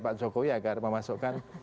pak jokowi agar memasukkan